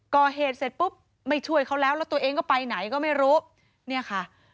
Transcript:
ก่อเหตุเสร็จปุ๊บไม่ช่วยเขาแล้วแล้วตัวเองก็ไปไหนก็ไม่รู้เนี่ยค่ะ